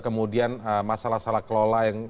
kemudian masalah salah kelola yang